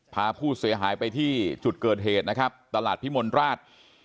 พาผู้เสียหายไปที่จุดเกิดเหตุนะครับตลาดพิมลราช